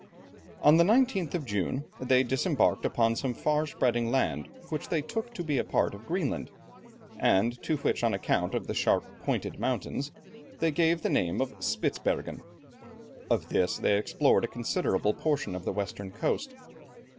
On the 19th of June, they disembarked upon some far spreading land, which they took to be a part of Greenland, and to which on account of the sharp pointed mountains, they gave the name of Spitzbergen; of this they explored a considerable portion of the western coast.